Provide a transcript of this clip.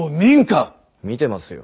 見てますよ。